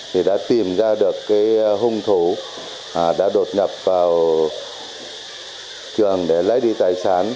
thì đã tìm ra được cái hung thủ đã đột nhập vào trường để lấy đi tài sản